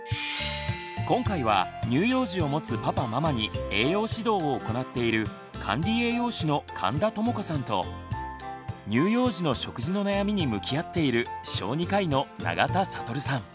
今回は乳幼児を持つパパママに栄養指導を行っている管理栄養士の神田智子さんと乳幼児の食事の悩みに向き合っている小児科医の永田智さん。